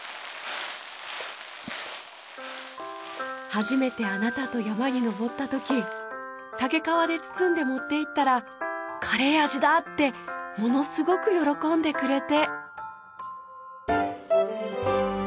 初めてあなたと山に登った時竹皮で包んで持っていったら「カレー味だ！」ってものすごく喜んでくれて。